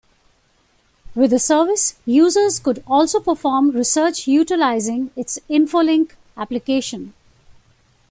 With the service, users could also perform research utilizing its InfoLink application.